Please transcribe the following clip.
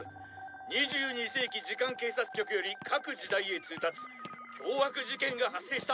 「２２世紀時間警察局より各時代へ通達」「凶悪事件が発生した！」